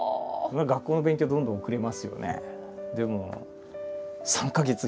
学校の勉強はどんどん遅れますよね。